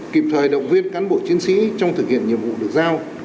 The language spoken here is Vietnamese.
kịp thời động viên cán bộ chiến sĩ trong thực hiện nhiệm vụ được giao